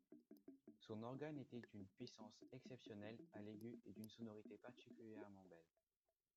Son organe était d'une puissance exceptionnelle à l'aigu et d'une sonorité particulièrement belle.